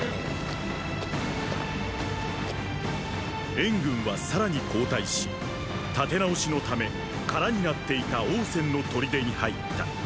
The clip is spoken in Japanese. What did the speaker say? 燕軍はさらに後退し立て直しのため空になっていた王翦の砦に入った。